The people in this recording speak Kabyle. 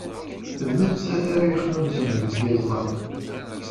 D nettat ara yexnunsen deg yiẓẓan.